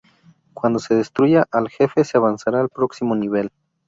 Cuando se destruya al jefe se avanzará al próximo nivel.